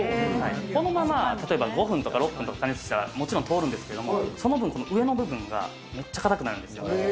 このまま例えば、５分とか６分とか加熱したらもちろん、通るんですけれども、その分、この上の部分がめっちゃ硬くなるんですよ。